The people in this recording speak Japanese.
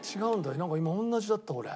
なんか今同じだった俺。